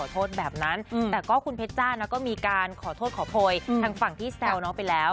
ทางฝั่งที่แซวน้องไปแล้ว